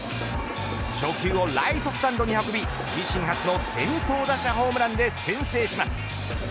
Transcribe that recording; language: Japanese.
初球をライトスタンドへ運び自身初の先頭打者ホームランで先制します。